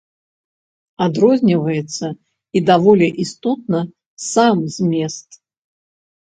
Адрозніваецца, і даволі істотна, сам змест.